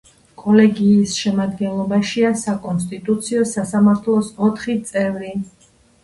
კოლეგიის შემადგენლობაშია საკონსტიტუციო სასამართლოს ოთხი წევრი.